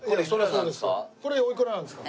これいくらなんですか？